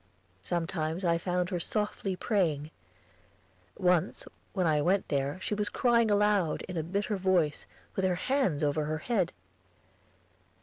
Sometimes I found her softly praying. Once when I went there she was crying aloud, in a bitter voice, with her hands over her head.